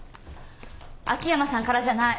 秋山さんからじゃない。